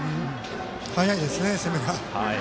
速いですね、攻めが。